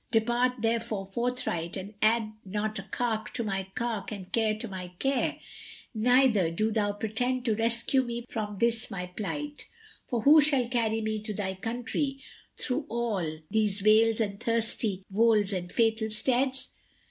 Depart, therefore, forthright and add not cark to my cark and care to my care, neither do thou pretend to rescue me from this my plight; for who shall carry me to thy country through all these vales and thirsty wolds and fatal steads?"